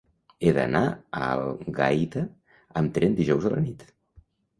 He d'anar a Algaida amb tren dijous a la nit.